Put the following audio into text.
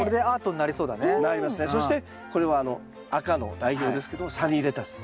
そしてこれは赤の代表ですけどもサニーレタスですね。